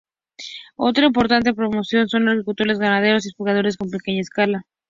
Otra importante proporción son agricultores, ganaderos y pescadores en pequeña escala.